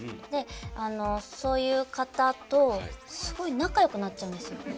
でそういう方とすごい仲良くなっちゃうんですよ。